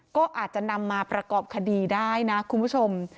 ก็อาจจะนำมาประกอบคดีได้นะคุณผู้ชม